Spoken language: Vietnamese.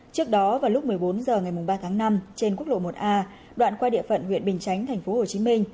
trước đó vào lúc một mươi bốn h ngày ba tháng năm trên quốc lộ một a đoạn qua địa phận huyện bình chánh tp hcm